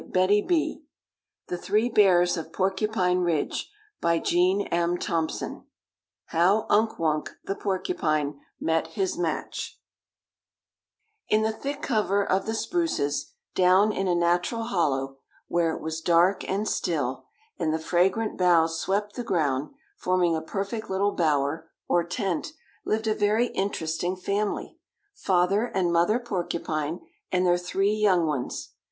[Illustration: HOW UNK WUNK THE PORCUPINE MET HIS MATCH] IX HOW UNK WUNK THE PORCUPINE MET HIS MATCH In the thick cover of the spruces, down in a natural hollow, where it was dark and still, and the fragrant boughs swept the ground, forming a perfect little bower, or tent, lived a very interesting family, Father and Mother Porcupine and their three young ones.